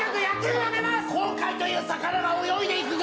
後悔という魚が泳いでいくぞ。